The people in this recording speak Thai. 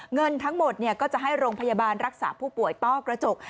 เงินทั้งหมดก็จะให้โรงพยาบาลรักษาผู้ป่วยต้อกระจก